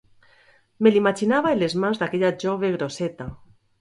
Me l’imaginava en les mans d’aquella jove grosseta.